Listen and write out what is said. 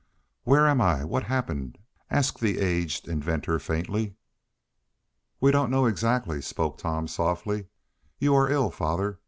"Where am I? What happened?" asked the aged inventor faintly. "We don't know, exactly," spoke Tom softly. "You are ill, father.